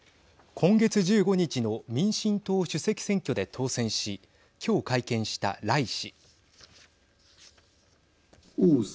今月１５日の民進党主席選挙で当選し今日会見した頼氏。